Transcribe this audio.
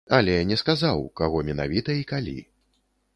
Але не сказаў, каго менавіта і калі.